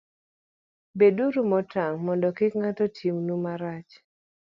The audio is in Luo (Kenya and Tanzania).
beduru motang' mondo kik ng'ato timnu marach.